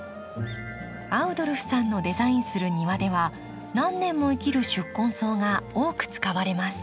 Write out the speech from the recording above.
アウドルフさんのデザインする庭では何年も生きる宿根草が多く使われます。